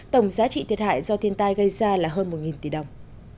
tổng giá trị thiệt hại do thiên tai gây ra là hơn một tỷ đồng